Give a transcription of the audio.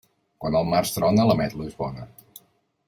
Quan al març trona, l'ametla és bona.